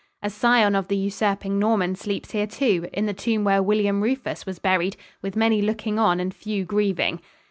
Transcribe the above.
A scion of the usurping Norman sleeps here too, in the tomb where William Rufus was buried, "with many looking on and few grieving."